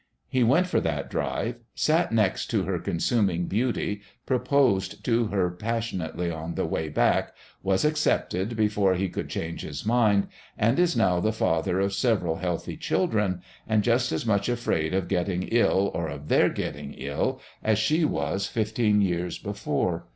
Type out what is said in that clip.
He went for that drive, sat next to her consuming beauty, proposed to her passionately on the way back, was accepted before he could change his mind, and is now the father of several healthy children and just as much afraid of getting ill, or of their getting ill, as she was fifteen years before.